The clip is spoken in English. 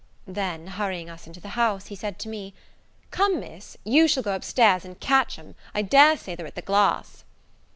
Then, hurrying us into the house, he said to me, "Come, Miss, you shall go upstairs and catch 'em, I dare say they're at the glass."